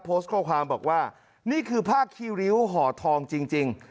โพสต์ข้อความบอกว่านี่คือผ้าคีริ้วห่อทองจริง